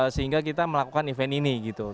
sehingga kita melakukan event ini gitu